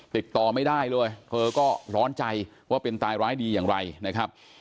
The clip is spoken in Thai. ติดต่อไม่ได้เลยเธอก็ร้อนใจว่าเป็นตายร้ายดีอย่างไรนะครับ